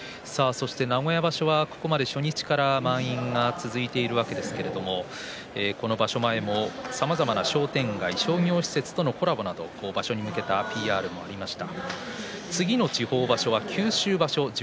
名古屋場所は初日から満員が続いているわけですけれどこの場所前もさまざまな商店会、商業施設とのコラボも場所に向けたＰＲもありました。